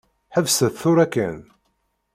Ḥebset tura kan.